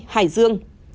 hai hải dương